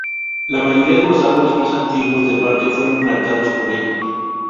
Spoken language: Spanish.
La mayoría de los árboles más antiguos del parque fueron plantados por ella.